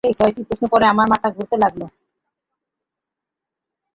এই ছটি প্রশ্ন পড়ে আমার মাথা ঘুরতে লাগল।